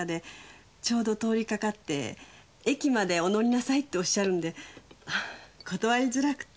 ちょうど通り掛かって「駅までお乗りなさい」っておっしゃるんで断りづらくて。